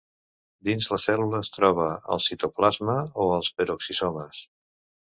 Dins la cèl·lula es troba al citoplasma o als peroxisomes.